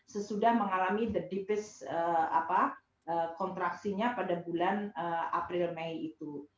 sesudah mengalami the depace kontraksinya pada bulan april mei itu